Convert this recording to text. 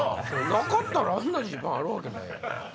なかったらあんなジーパンあるわけない。